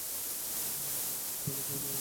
আমি আপনাকে আরও বেশি নিয়ে দিব।